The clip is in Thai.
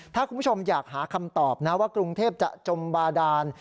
ถ้าคุณผู้ชมอยากหาคำตอบนะว่ากรุงเทพจะจมบาดาน